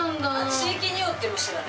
地域によっても知らない。